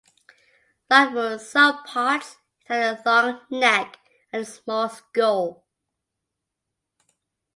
Like most sauropods, it had a long neck and a small skull.